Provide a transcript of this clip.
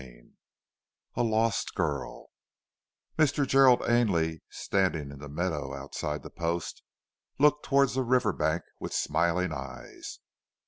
CHAPTER III A LOST GIRL Mr. Gerald Ainley standing in the meadow outside the Post, looked towards the river bank with smiling eyes.